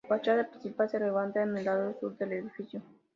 La fachada principal se levanta en el lado sur del edificio.